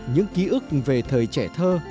những ký ức về thời trẻ thơ